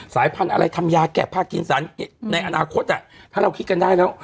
สายพันธุ์อะไรทำยาแกะผ้ากินสารในอนาคตถ้าเราคิดกันได้แล้ว